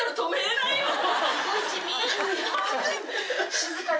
静かに。